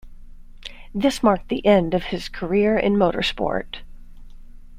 This marked the end of his career in motor sport.